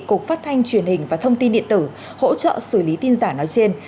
cục phát thanh truyền hình và thông tin điện tử hỗ trợ xử lý tin giả nói trên